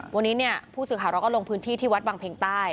วันนี้ผู้สื่อข่าวร้องก็ลงพื้นที่ที่วัดบางเพียงใต้